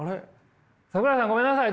桜井さんごめんなさい。